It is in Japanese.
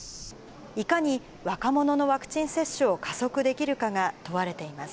いかに若者のワクチン接種を加速できるかが問われています。